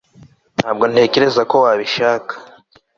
ntabwo ntekereza ko wabishaka